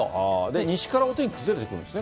西からお天気崩れてくるんですね？